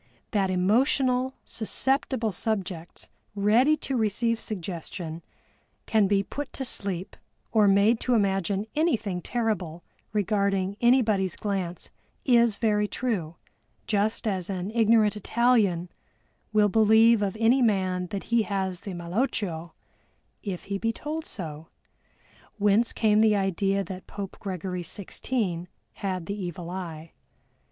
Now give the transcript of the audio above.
That emotional, susceptible subjects ready to receive suggestion can be put to sleep or made to imagine anything terrible regarding anybody's glance is very true, just as an ignorant Italian will believe of any man that he has the malocchio if he be told so, whence came the idea that Pope Gregory XVI had the evil eye.